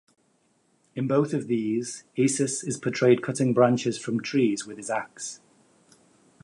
In both of these, Esus is portrayed cutting branches from trees with his axe.